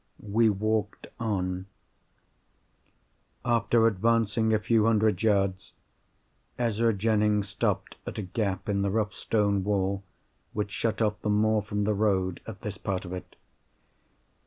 We walked on. After advancing a few hundred yards, Ezra Jennings stopped at a gap in the rough stone wall which shut off the moor from the road, at this part of it.